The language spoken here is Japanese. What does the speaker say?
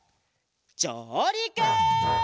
じょうりく！